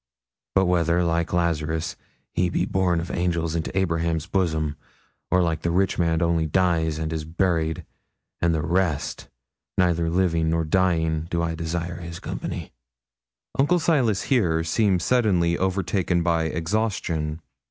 But whether, like Lazarus, he be borne of angels into Abraham's bosom, or, like the rich man, only dies and is buried, and the rest, neither living nor dying do I desire his company.' Uncle Silas here seemed suddenly overtaken by exhaustion.